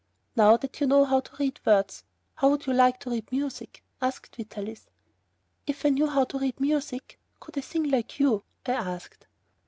"Now that you know how to read words, how would you like to read music?" asked Vitalis. "If I knew how to read music could I sing like you?" I asked.